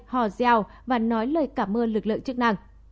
hò rèo và nói lời cảm ơn lực lượng chức năng